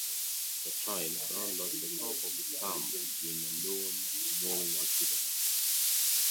As a child Brown lost the top of his thumb in a lawn-mowing accident.